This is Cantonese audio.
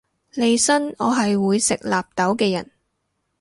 利申我係會食納豆嘅人